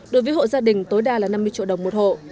đối với hộ gia đình tối đa là năm mươi triệu đồng một hộ